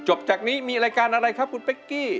จากนี้มีรายการอะไรครับคุณเป๊กกี้